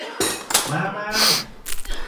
มามา